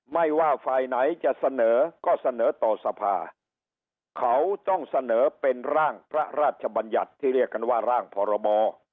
ไม่ว่าฝ่ายไหนจะเสนอก็เสนอต่อสภาเขาต้องเสนอเป็นร่างพระราชบัญญัติที่เรียกกันว่าร่างพรบ